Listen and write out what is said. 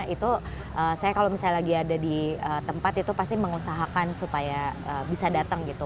itu saya kalau misalnya lagi ada di tempat itu pasti mengusahakan supaya bisa datang gitu